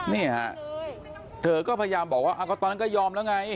นี่ฮะเธอก็พยายามบอกว่าตอนนั้นก็ยอมแล้วไง